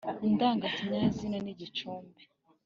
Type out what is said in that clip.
indangakinyazina ni gicumbi